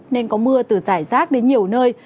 nên có mưa từ rải rác đến nhiều nơi